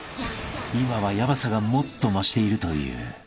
今はヤバさがもっと増しているという］